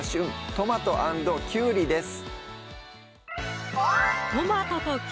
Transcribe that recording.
トマト＆きゅうり」です